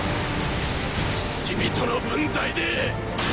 死人の分際でっ！！